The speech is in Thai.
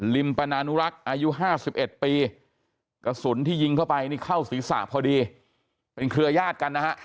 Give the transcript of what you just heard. มปนานุรักษ์อายุ๕๑ปีกระสุนที่ยิงเข้าไปนี่เข้าศีรษะพอดีเป็นเครือยาศกันนะฮะ